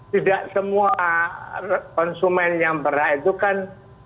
tidak semua konsumen yang berat itu kan